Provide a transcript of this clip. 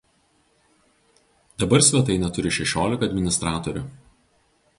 Dabar svetainė turi šešiolika administratorių.